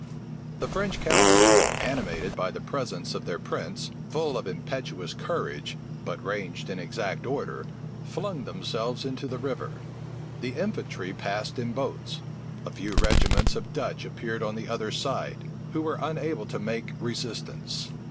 The French cavalry, animated by the presence of their prince, full of impetuous courage, but ranged in exact order, flung themselves into the river: the infantry passed in boats: a few regiments of Dutch appeared on the other side, who were unable to make resistance.